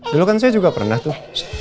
bukan saya juga pernah tuh